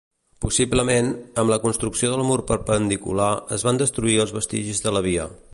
Possiblement, amb la construcció del mur perpendicular es van destruir els vestigis de la via.